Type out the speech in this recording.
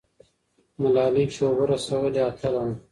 ملالۍ چې اوبه رسولې، اتله وه.